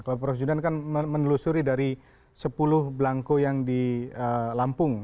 kalau prof judan kan menelusuri dari sepuluh belangko yang di lampung